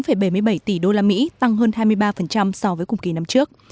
tổng số đầu tư nước ngoài mỹ tăng hơn hai mươi ba so với cùng kỳ năm trước